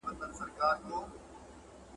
خپل زړونه له کينې او عقدو څخه پاک کړئ.